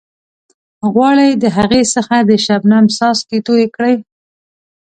غواړئ د هغې څخه د شبنم څاڅکي توئ کړئ.